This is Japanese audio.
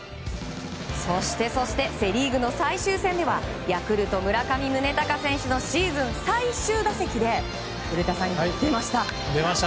そして、そしてセ・リーグの最終戦ではヤクルト、村上宗隆選手のシーズン最終打席で古田さん、出ました。